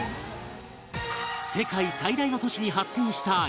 世界最大の都市に発展した江戸